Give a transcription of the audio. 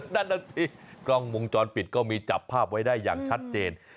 นาทีกล้องวงจรปิดก็มีจับภาพไว้ได้อย่างชัดเจน